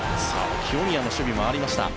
清宮の守備もありました。